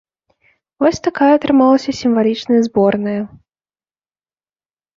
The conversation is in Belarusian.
Вось такая атрымалася сімвалічная зборная.